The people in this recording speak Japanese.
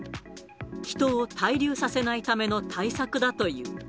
人を滞留させないための対策だという。